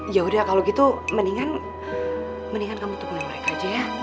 ya udah kalau gitu mendingan kamu temenin mereka aja ya